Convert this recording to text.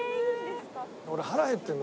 俺腹減ってるの。